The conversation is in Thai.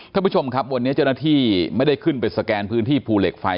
ท่านผู้ชมครับวันนี้เจ้าหน้าที่ไม่ได้ขึ้นไปสแกนพื้นที่ภูเหล็กไฟ